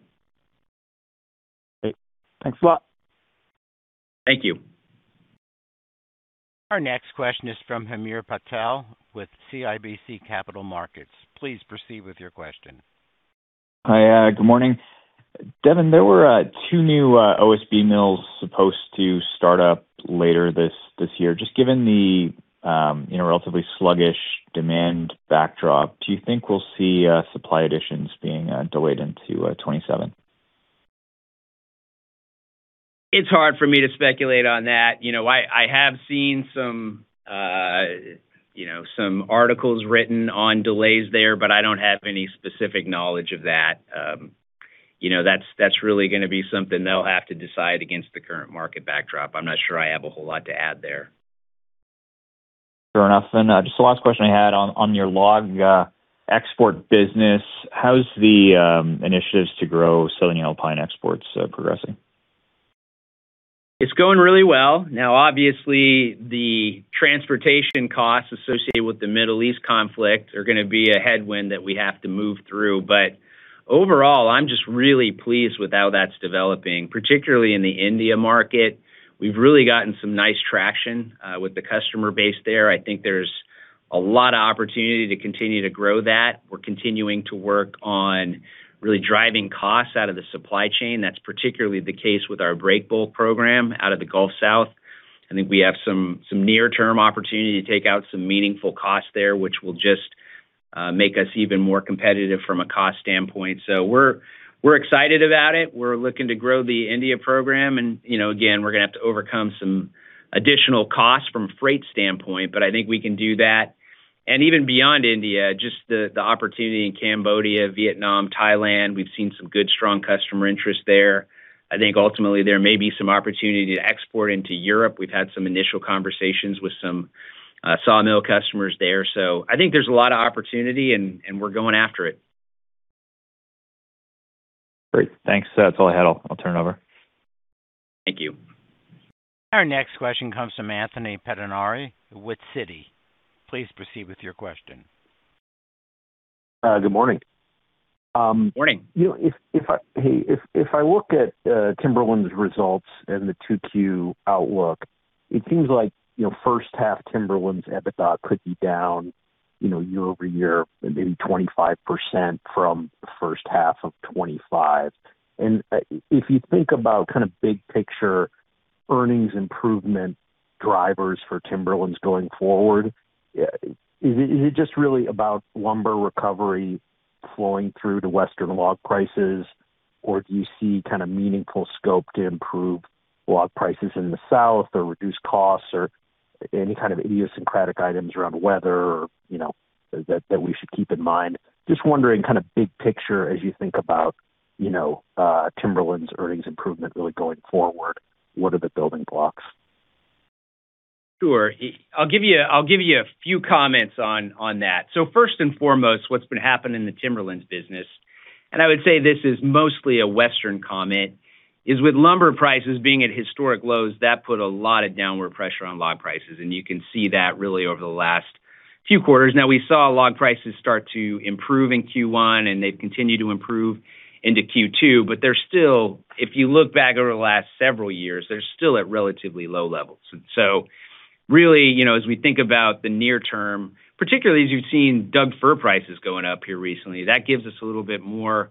Great. Thanks a lot. Thank you. Our next question is from Hamir Patel with CIBC Capital Markets. Please proceed with your question. Hi, good morning. Devin, there were two new OSB mills supposed to start up later this year. Just given the, you know, relatively sluggish demand backdrop, do you think we'll see supply additions being delayed into 2027? It's hard for me to speculate on that. You know, I have seen some, you know, some articles written on delays there, but I don't have any specific knowledge of that. You know, that's really gonna be something they'll have to decide against the current market backdrop. I'm not sure I have a whole lot to add there. Fair enough. Just the last question I had on your log, export business, how's the initiatives to grow Southern yellow pine exports, progressing? It's going really well. Obviously, the transportation costs associated with the Middle East conflict are gonna be a headwind that we have to move through. Overall, I'm just really pleased with how that's developing, particularly in the India market. We've really gotten some nice traction with the customer base there. I think there's a lot of opportunity to continue to grow that. We're continuing to work on really driving costs out of the supply chain. That's particularly the case with our break bulk program out of the Gulf South. I think we have some near-term opportunity to take out some meaningful costs there, which will just make us even more competitive from a cost standpoint. We're excited about it. We're looking to grow the India program. You know, again, we're gonna have to overcome some additional costs from freight standpoint, but I think we can do that. Even beyond India, just the opportunity in Cambodia, Vietnam, Thailand, we've seen some good, strong customer interest there. I think ultimately there may be some opportunity to export into Europe. We've had some initial conversations with some sawmill customers there. I think there's a lot of opportunity and we're going after it. Great. Thanks. That's all I had. I'll turn it over. Thank you. Our next question comes from Anthony Pettinari with Citi. Please proceed with your question. Good morning. Morning. You know, if I look at Timberlands' results and the 2Q outlook, it seems like, you know, first half Timberlands' EBITDA could be down, you know, year-over-year, maybe 25% from the first half of 2025. If you think about kinda big picture earnings improvement drivers for Timberlands' going forward, is it just really about lumber recovery flowing through to Western log prices or do you see kinda meaningful scope to improve log prices in the South or reduce costs or any kind of idiosyncratic items around weather or, you know, that we should keep in mind? Just wondering kinda big picture as you think about, you know, Timberlands' earnings improvement really going forward, what are the building blocks? Sure. I'll give you a few comments on that. First and foremost, what's been happening in the Timberlands business, and I would say this is mostly a Western comment, is with lumber prices being at historic lows, that put a lot of downward pressure on log prices, and you can see that really over the last few quarters. Now, we saw log prices start to improve in Q1, and they've continued to improve into Q2, but they're still, if you look back over the last several years, they're still at relatively low levels. Really, you know, as we think about the near term, particularly as you've seen Doug fir prices going up here recently, that gives us a little bit more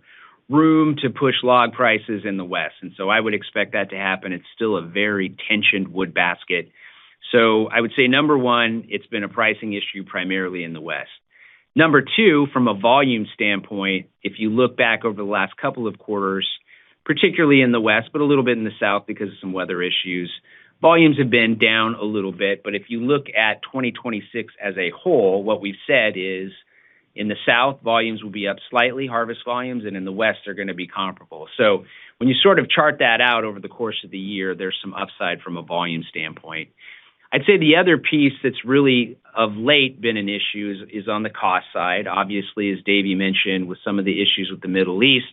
room to push log prices in the West. I would expect that to happen. It's still a very tensioned wood basket. I would say, number one, it's been a pricing issue primarily in the West. Number two, from a volume standpoint, if you look back over the last couple of quarters, particularly in the West, but a little bit in the South because of some weather issues, volumes have been down a little bit. If you look at 2026 as a whole, what we've said is, in the South, volumes will be up slightly, harvest volumes, and in the West are gonna be comparable. When you sort of chart that out over the course of the year, there's some upside from a volume standpoint. I'd say the other piece that's really of late been an issue is on the cost side. Obviously, as Davie mentioned, with some of the issues with the Middle East,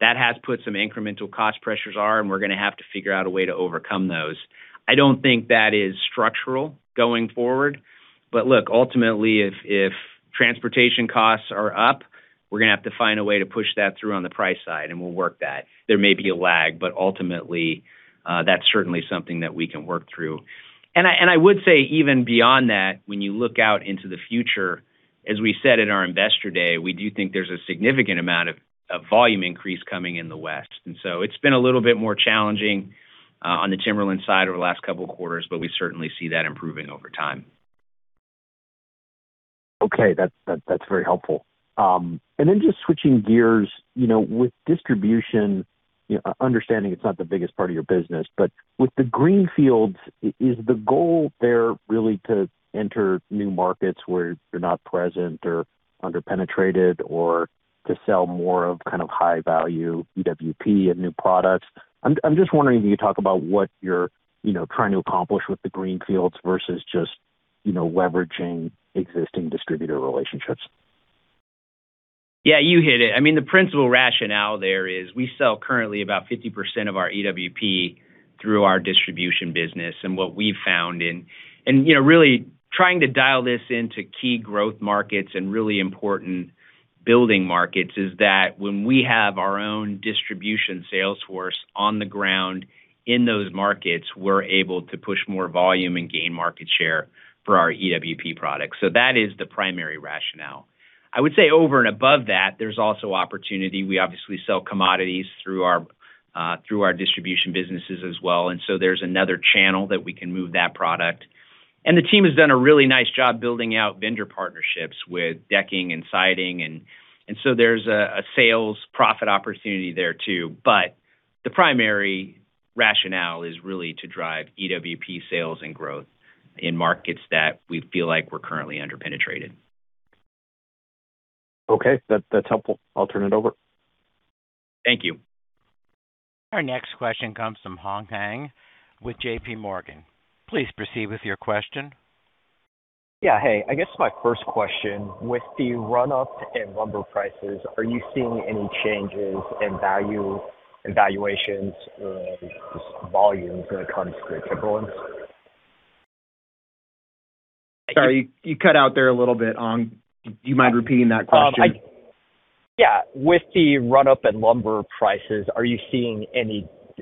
that has put some incremental cost pressures on, and we're gonna have to figure out a way to overcome those. I don't think that is structural going forward. Look, ultimately if transportation costs are up, we're gonna have to find a way to push that through on the price side, and we'll work that. There may be a lag, but ultimately, that's certainly something that we can work through. I would say even beyond that, when you look out into the future, as we said in our Investor Day, we do think there's a significant amount of volume increase coming in the West. It's been a little bit more challenging on the Timberlands side over the last couple quarters, but we certainly see that improving over time. Okay. That's very helpful. Then just switching gears, you know, with distribution, you know, understanding it's not the biggest part of your business, but with the greenfields, is the goal there really to enter new markets where you're not present or under-penetrated or to sell more of kind of high value EWP and new products? I'm just wondering, can you talk about what you're, you know, trying to accomplish with the greenfields versus just, you know, leveraging existing distributor relationships. Yeah, you hit it. I mean, the principal rationale there is we sell currently about 50% of our EWP through our distribution business. What we've found and, you know, really trying to dial this into key growth markets and really important building markets is that when we have our own distribution sales force on the ground in those markets, we're able to push more volume and gain market share for our EWP products. That is the primary rationale. I would say over and above that, there's also opportunity. We obviously sell commodities through our through our distribution businesses as well, and so there's another channel that we can move that product. The team has done a really nice job building out vendor partnerships with decking and siding and so there's a sales profit opportunity there too. The primary rationale is really to drive EWP sales and growth in markets that we feel like we're currently under-penetrated. Okay. That's helpful. I'll turn it over. Thank you. Our next question comes from Hong Zhang with JPMorgan. Please proceed with your question. I guess my first question, with the run-up in lumber prices, are you seeing any changes in value and valuations or just volumes when it comes to the timberlands? Sorry, you cut out there a little bit, Hong. Do you mind repeating that question? Yeah. With the run-up in lumber prices, are you seeing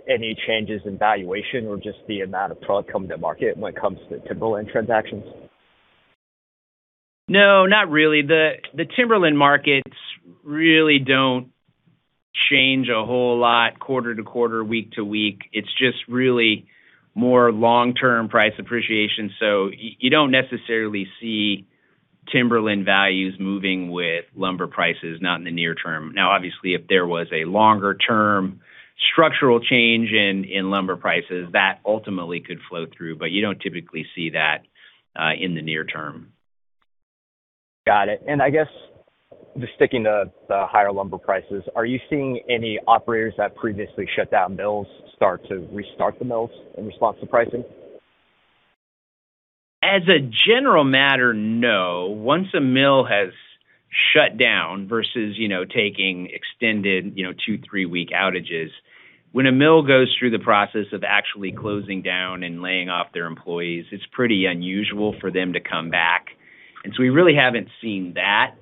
any changes in valuation or just the amount of product coming to market when it comes to Timberlands transactions? Not really. The Timberland markets really don't change a whole lot quarter to quarter, week to week. It's just really more long-term price appreciation. You don't necessarily see timberland values moving with lumber prices, not in the near term. Obviously, if there was a longer term structural change in lumber prices, that ultimately could flow through, but you don't typically see that in the near term. Got it. I guess just sticking to the higher lumber prices, are you seeing any operators that previously shut down mills start to restart the mills in response to pricing? As a general matter, no. Once a mill has shut down versus, you know, taking extended, you know, two-, three-week outages, when a mill goes through the process of actually closing down and laying off their employees, it's pretty unusual for them to come back. We really haven't seen that.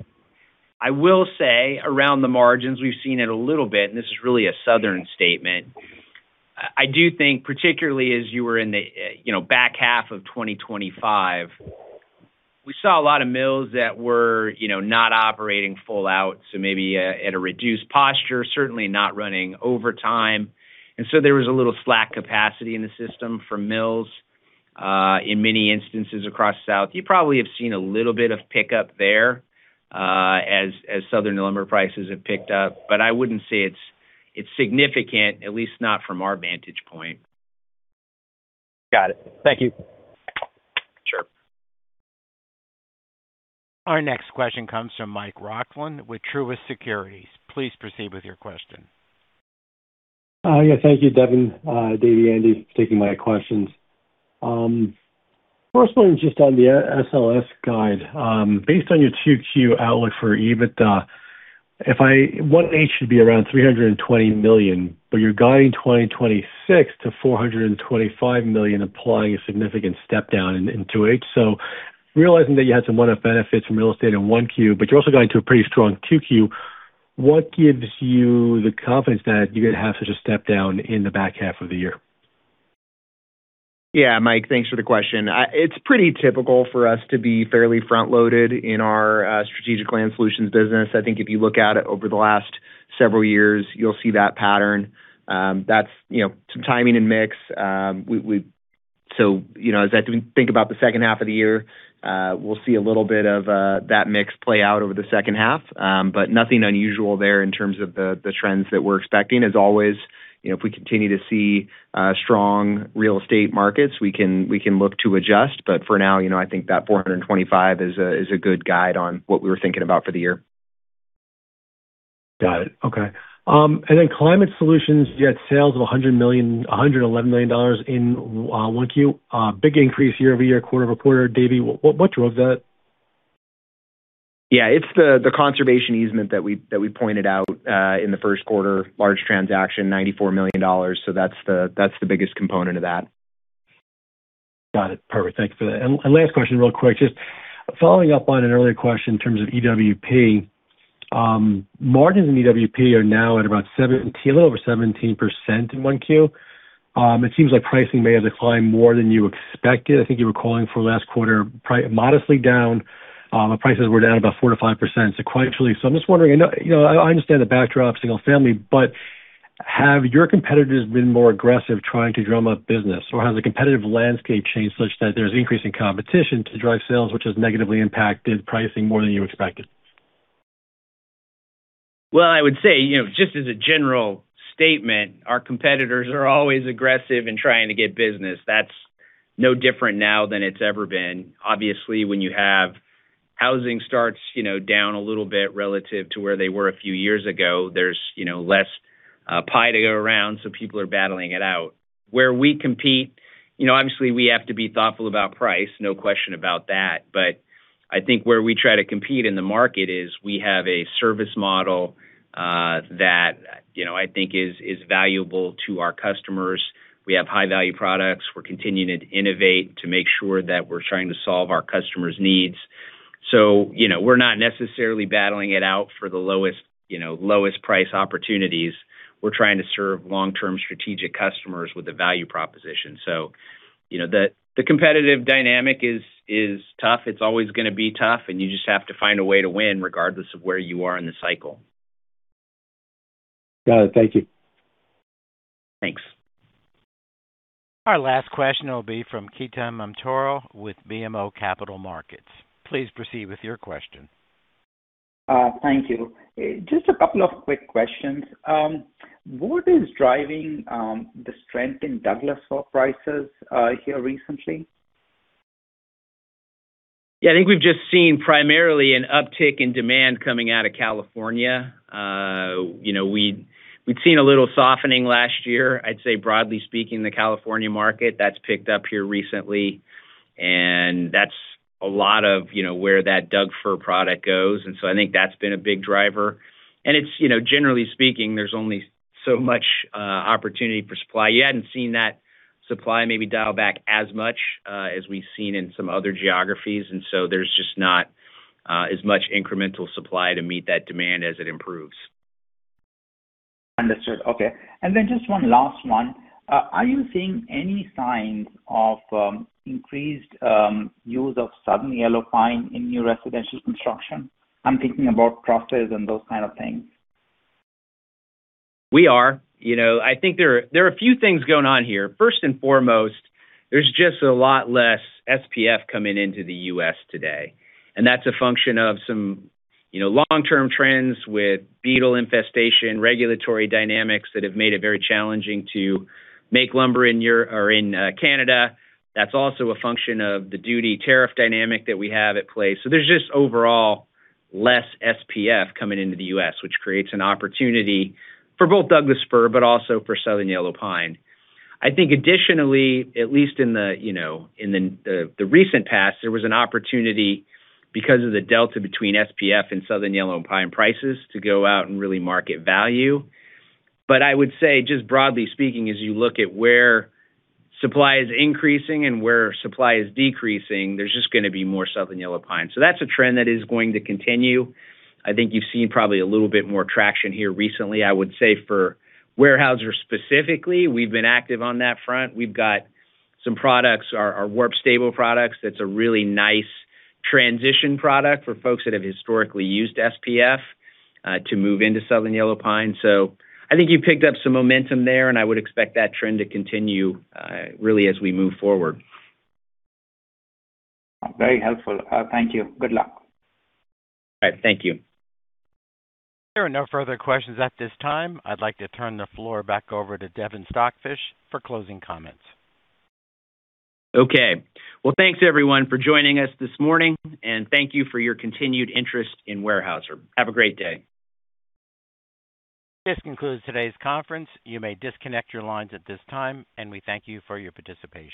I will say around the margins, we've seen it a little bit, and this is really a Southern statement. I do think particularly as you were in the, you know, back half of 2025, we saw a lot of mills that were, you know, not operating full out, so maybe at a reduced posture, certainly not running over time. There was a little slack capacity in the system for mills in many instances across the South. You probably have seen a little bit of pickup there, as Southern lumber prices have picked up. I wouldn't say it's significant, at least not from our vantage point. Got it. Thank you. Sure. Our next question comes from Mike Roxland with Truist Securities. Please proceed with your question. Thank you, Devin, Davie, Andy, for taking my questions. First one just on the SLS guide. Based on your 2Q outlook for EBITDA, 1H should be around $320 million, but you're guiding 2026 to $425 million, implying a significant step down in 2H. Realizing that you had some one-off benefits from real estate in 1Q, but you're also going through a pretty strong 2Q, what gives you the confidence that you're gonna have such a step down in the back half of the year? Mike, thanks for the question. It's pretty typical for us to be fairly front-loaded in our Strategic Land Solutions business. I think if you look at it over the last several years, you'll see that pattern. That's, you know, some timing and mix. You know, as I think about the second half of the year, we'll see a little bit of that mix play out over the second half. Nothing unusual there in terms of the trends that we're expecting. As always, you know, if we continue to see strong real estate markets, we can look to adjust. For now, you know, I think that $425 million is a good guide on what we were thinking about for the year. Got it. Okay. Then climate solutions, you had sales of $111 million in 1Q. Big increase year-over-year, quarter-over-quarter. Davie, what drove that? Yeah, it's the conservation easement that we pointed out in the first quarter. Large transaction, $94 million. That's the biggest component of that. Got it. Perfect. Thank you for that. Last question real quick, just following up on an earlier question in terms of EWP. Margins in EWP are now at about a little over 17% in 1Q. It seems like pricing may have declined more than you expected. I think you were calling for last quarter modestly down, prices were down about 4%-5% sequentially. I'm just wondering, you know, I understand the backdrop of single-family, but have your competitors been more aggressive trying to drum up business, or has the competitive landscape changed such that there's increasing competition to drive sales, which has negatively impacted pricing more than you expected? Well, I would say, you know, just as a general statement, our competitors are always aggressive in trying to get business. That's no different now than it's ever been. Obviously, when you have housing starts, you know, down a little bit relative to where they were a few years ago, there's, you know, less pie to go around, so people are battling it out. Where we compete, you know, obviously, we have to be thoughtful about price, no question about that. I think where we try to compete in the market is we have a service model that, you know, I think is valuable to our customers. We have high-value products. We're continuing to innovate to make sure that we're trying to solve our customers' needs. You know, we're not necessarily battling it out for the lowest price opportunities. We're trying to serve long-term strategic customers with a value proposition. You know, the competitive dynamic is tough. It's always gonna be tough, and you just have to find a way to win regardless of where you are in the cycle. Got it. Thank you. Thanks. Our last question will be from Ketan Mamtora with BMO Capital Markets. Please proceed with your question. Thank you. Just a couple of quick questions. What is driving the strength in Douglas fir prices here recently? Yeah. I think we've just seen primarily an uptick in demand coming out of California. you know, we'd seen a little softening last year. I'd say broadly speaking, the California market, that's picked up here recently. That's a lot of, you know, where that Doug fir product goes. I think that's been a big driver. It's, you know, generally speaking, there's only so much opportunity for supply. You hadn't seen that supply maybe dial back as much as we've seen in some other geographies, there's just not as much incremental supply to meet that demand as it improves. Understood. Okay. Just one last one. Are you seeing any signs of increased use of Southern yellow pine in new residential construction? I'm thinking about crosses and those kind of things. We are. You know, I think there are a few things going on here. First and foremost, there's just a lot less SPF coming into the U.S. today, and that's a function of some, you know, long-term trends with beetle infestation, regulatory dynamics that have made it very challenging to make lumber or in Canada. That's also a function of the duty tariff dynamic that we have at play. There's just overall less SPF coming into the U.S., which creates an opportunity for both Douglas fir, but also for Southern yellow pine. I think additionally, at least in the, you know, in the recent past, there was an opportunity because of the delta between SPF and Southern yellow pine prices to go out and really market value. I would say, just broadly speaking, as you look at where supply is increasing and where supply is decreasing, there's just gonna be more Southern yellow pine. That's a trend that is going to continue. I think you've seen probably a little bit more traction here recently, I would say for Weyerhaeuser specifically. We've been active on that front. We've got some products, our warp-stable products. That's a really nice transition product for folks that have historically used SPF to move into Southern yellow pine. I think you picked up some momentum there, and I would expect that trend to continue really as we move forward. Very helpful. Thank you. Good luck. All right. Thank you. There are no further questions at this time. I'd like to turn the floor back over to Devin Stockfish for closing comments. Okay. Well, thanks everyone for joining us this morning, and thank you for your continued interest in Weyerhaeuser. Have a great day. This concludes today's conference. You may disconnect your lines at this time, and we thank you for your participation.